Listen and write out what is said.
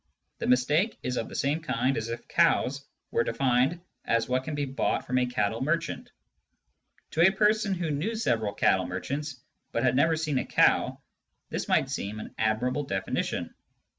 The mistake is of the same kind as if cows were defined as what can be bought from a cattle merchant. To a person who knew several cattle merchants, but had never seen a cow, this might seem an admirable defini tion.